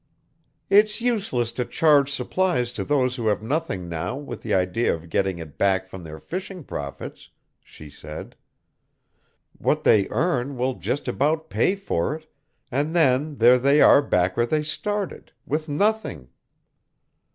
"It's useless to charge supplies to those who have nothing now with the idea of getting it back from their fishing profits," she said. "What they earn will just about pay for it, and then there they are back where they started with nothing.